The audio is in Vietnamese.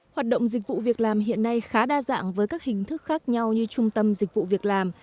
hoạt động dịch vụ việc làm hiện nay khá đa dạng với các hình thức khác nhau như trung tâm dịch vụ việc làm